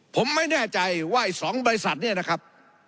ผมไม่แน่ใจว่าอีก๒บริษัทเนี่ยนะครับ